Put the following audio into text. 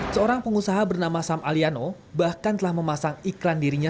seorang pengusaha bernama sam aliano bahkan telah memasang iklan dirinya